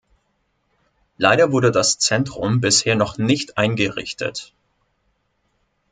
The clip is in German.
Leider wurde das Zentrum bisher noch nicht eingerichtet.